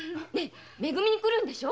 め組に来るんでしょ？